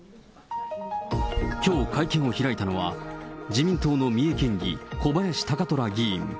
きょう、会見を開いたのは自民党の三重県議、小林貴虎議員。